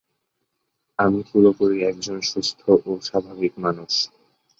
আমি পুরোপুরি এক জন সুস্থ ও স্বাভাবিক মানুষ।